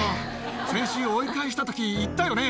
先週追い返したとき、言ったよね？